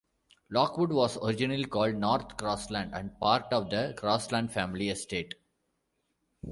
Lockwood was originally called "North Crosland" and part of the Crosland family estate.